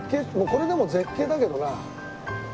これでも絶景だけどな。